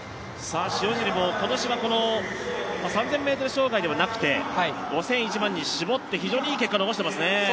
塩尻も今年は３０００ｍ障害ではなくて５０００、１００００に絞って非常にいい結果を残していますね。